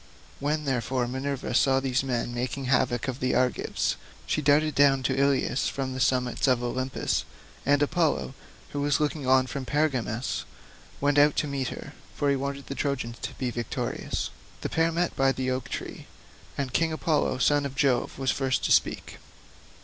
When, therefore, Minerva saw these men making havoc of the Argives, she darted down to Ilius from the summits of Olympus, and Apollo, who was looking on from Pergamus, went out to meet her; for he wanted the Trojans to be victorious. The pair met by the oak tree, and King Apollo son of Jove was first to speak.